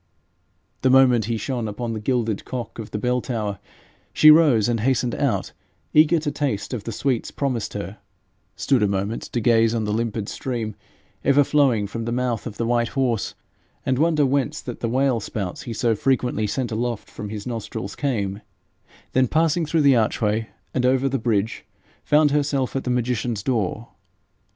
The moment he shone upon the gilded cock of the bell tower, she rose and hastened out, eager to taste of the sweets promised her; stood a moment to gaze on the limpid stream ever flowing from the mouth of the white horse, and wonder whence that and the whale spouts he so frequently sent aloft from his nostrils came; then passing through the archway and over the bridge, found herself at the magician's door.